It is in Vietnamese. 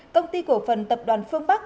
công ty cổ phần tập đoàn phương bắc